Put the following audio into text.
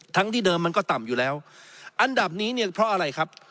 ที่เดิมมันก็ต่ำอยู่แล้วอันดับนี้เนี่ยเพราะอะไรครับ